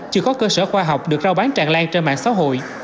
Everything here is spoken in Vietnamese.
chưa có cơ sở khoa học được trao bán tràn lan trên mạng xã hội